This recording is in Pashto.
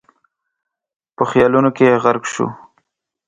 په خيالونو کې غرق شو.